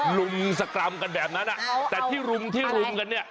ลุมสกรรมกันแบบนั้นแต่ที่รุมที่รุมกันเนี่ย